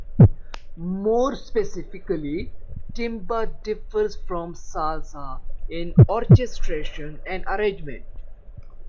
More specifically, timba differs from salsa in orchestration and arrangement.